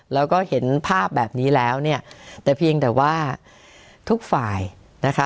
แล้วก็เห็นภาพแบบนี้แล้วเนี่ยแต่เพียงแต่ว่าทุกฝ่ายนะคะ